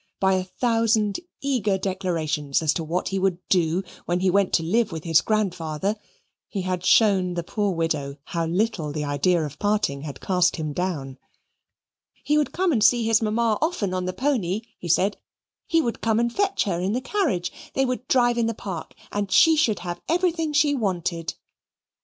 By a thousand eager declarations as to what he would do, when he went to live with his grandfather, he had shown the poor widow how little the idea of parting had cast him down. "He would come and see his mamma often on the pony," he said. "He would come and fetch her in the carriage; they would drive in the park, and she should have everything she wanted."